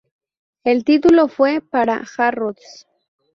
El título fue para Harrods.